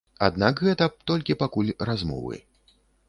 Аднак гэта толькі пакуль размовы.